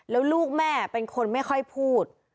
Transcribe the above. แล้วลูกแม่เป็นคนไม่ค่อยพูด